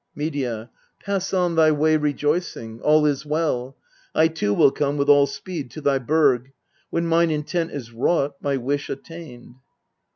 Medea. Pass on thy way rejoicing : all is well. I too will come with all speed to thy burg, When mine intent is wrought, my wish attained..